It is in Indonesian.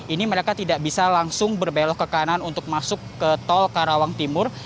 ini mereka tidak bisa langsung berbelok ke kanan untuk masuk ke tol karawang timur